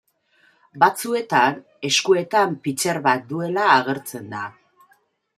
Batzuetan eskuetan pitxer bat duela agertzen da.